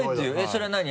それは何？